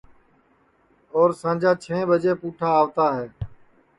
اور سانجا چھیں ٻجیں پُٹھا آوتا ہے